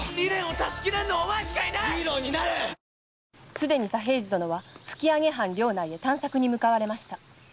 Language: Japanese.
すでに左平次殿は吹上藩領内へ探索に向かわれました。